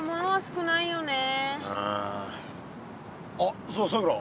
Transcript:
あっそうださくら。